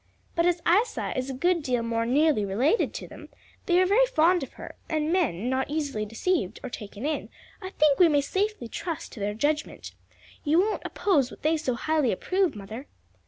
"But as Isa is a good deal more nearly related to them, they are very fond of her, and, men not easily deceived or taken in, I think we may safely trust to their judgment. You won't oppose what they so highly approve, mother?"